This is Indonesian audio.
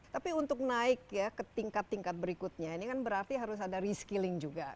tapi untuk naik ya ke tingkat tingkat berikutnya ini kan berarti harus ada reskilling juga